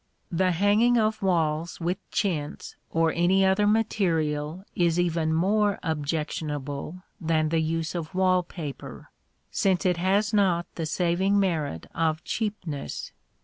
The hanging of walls with chintz or any other material is even more objectionable than the use of wall paper, since it has not the saving merit of cheapness.